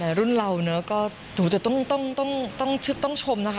อีกรุ่นเราก็หรือจะต้องชมนะคะ